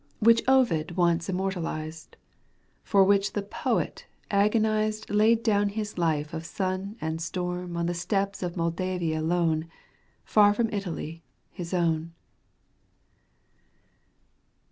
Which Ovid once immortalized, For which the poet agonized Laid down his life of sun and storm On the steppes of Moldavia lone, Far from his Italy — ^his own."